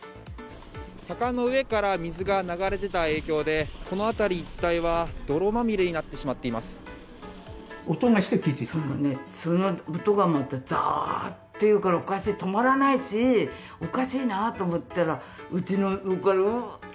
坂の上から水が流れ出た影響でこの辺り一帯は泥まみれになってしまっています。